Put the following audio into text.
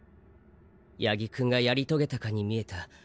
八木くんがやり遂げたかに見えた。